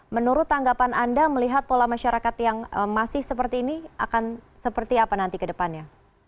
menurut tanggapan anda melihat pola masyarakat yang masih seperti ini akan seperti apa nanti ke depannya